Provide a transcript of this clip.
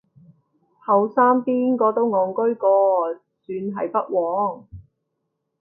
後生邊個都戇居過，算係不枉